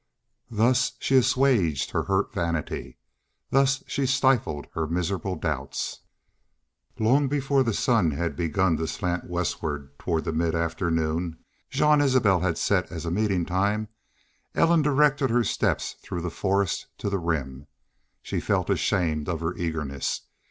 Thus she assuaged her hurt vanity thus she stifled her miserable doubts. Long before the sun had begun to slant westward toward the mid afternoon Jean Isbel had set as a meeting time Ellen directed her steps through the forest to the Rim. She felt ashamed of her eagerness.